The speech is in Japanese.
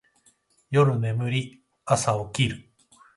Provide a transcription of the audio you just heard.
夜眠り、朝起きる